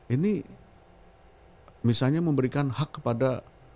ini misalnya memberikan hak kepada